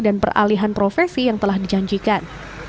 dan peralihan profesi yang telah dijanjikan